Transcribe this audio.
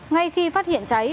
ngay khi phát hiện cháy